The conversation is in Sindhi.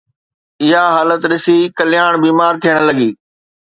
اها حالت ڏسي، ڪلياڻ بيمار ٿيڻ لڳي